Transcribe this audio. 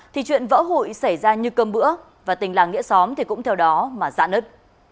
thì chuyện vỡ hụi xảy ra như cơm bữa và tình làng nghĩa xóm thì cũng theo đó mà dạ nứt